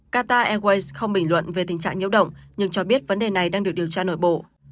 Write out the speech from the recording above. qatar airways không bình luận về tình trạng nhiễu động nhưng cho biết vấn đề này đang được điều tra nội bộ